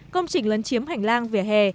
công trình lấn chiếm hành lang vỉa hè